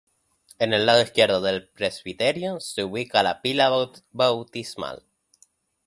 En el lado izquierdo del presbiterio se ubica la pila bautismal.